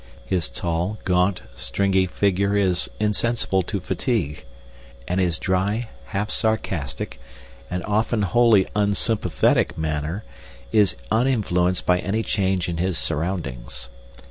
His tall, gaunt, stringy figure is insensible to fatigue, and his dry, half sarcastic, and often wholly unsympathetic manner is uninfluenced by any change in his surroundings.